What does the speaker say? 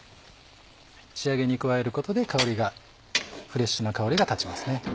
仕上げに加えることでフレッシュな香りが立ちますね。